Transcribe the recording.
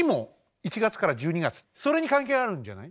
それに関係あるんじゃない？